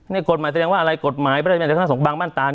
ในกฎหมายตะเลียงว่าอะไรกฎหมายพระราชบัญญัติขณะสงฆ์มาตา